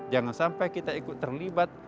jangan sampai kita ikut terlibat